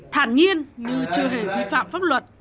thản nhiên như chưa hề vi phạm pháp luật